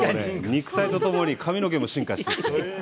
肉体と共に、髪の毛も進化してきて。